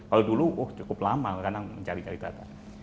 kalau dulu cukup lama kadang mencari cari data